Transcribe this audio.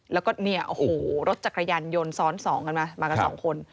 แล้วก็เนี่ยโอ้โหรถจักรยานยนต์ซ้อนสองกันมามากันสองคน